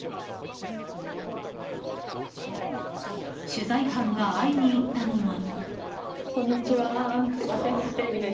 取材班が会いに行ったのは。